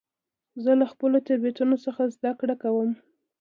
زه له خپلو تېروتنو څخه زدهکړه کوم.